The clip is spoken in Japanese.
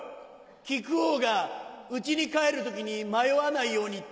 木久扇が家に帰る時に迷わないようにって